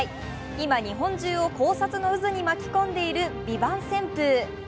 今、日本中を考察の渦に巻き込んでいる「ＶＩＶＡＮＴ」旋風。